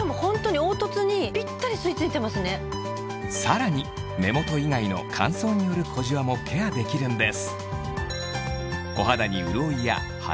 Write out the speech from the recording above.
さらに目元以外の乾燥による小じわもケアできるんです